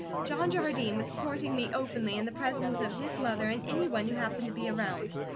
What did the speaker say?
John Jardine was courting me openly in the presence of his mother and any one who happened to be around.